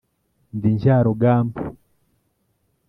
ndi njyarugamba.